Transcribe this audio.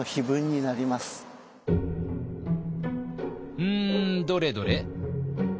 うんどれどれ？